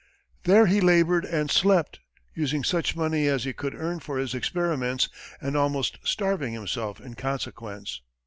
There he labored and slept, using such money as he could earn for his experiments, and almost starving himself in consequence.